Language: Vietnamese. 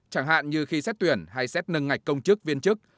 chẳng hạn như khi xét tuyển hay xét nâng ngạch công chức viên chức